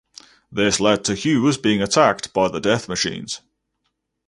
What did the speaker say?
This led to Hughes being attacked by the Death Machines.